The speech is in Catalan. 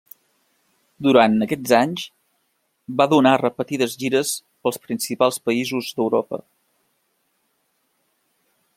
Durant aquests anys, va donar repetides gires pels principals països d'Europa.